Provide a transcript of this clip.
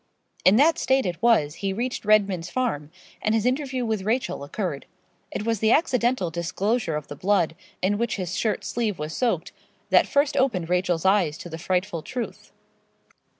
In that state it was he reached Redman's Farm, and his interview with Rachel occurred. It was the accidental disclosure of the blood, in which his shirt sleeve was soaked, that first opened Rachel's eyes to the frightful truth.